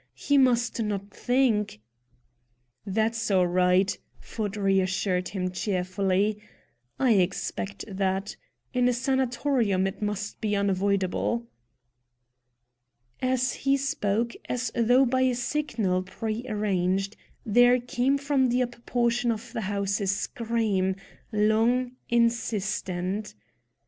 He must not think " "That's all right!" Ford reassured him cheerfully. "I expect that. In a sanatorium it must be unavoidable." As he spoke, as though by a signal prearranged, there came from the upper portion of the house a scream, long, insistent.